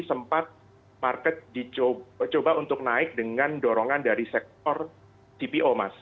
sempat market dicoba untuk naik dengan dorongan dari sektor cpo mas